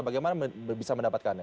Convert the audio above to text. bagaimana bisa mendapatkannya